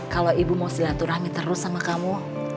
kalau ibu mau silaturahmi terus sama kamu